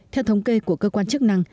theo thống kê của cơ quan chức năng